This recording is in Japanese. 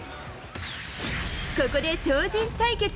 ここで超人対決。